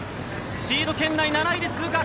シード圏内、７位で通過。